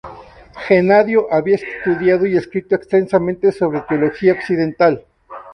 Genadio había estudiado y escrito extensamente sobre teología occidental.